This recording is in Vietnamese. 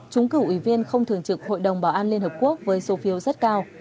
chúng cử ủy viên không thường trực hội đồng bảo an liên hợp quốc với số phiếu rất cao